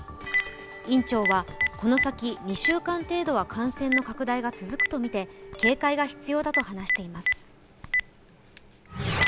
院長は、この先２週間程度は感染の拡大が続くとみて警戒が必要だと話しています。